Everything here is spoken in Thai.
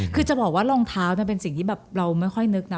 คือจะบอกว่ารองเท้าเป็นสิ่งที่แบบเราไม่ค่อยนึกนะ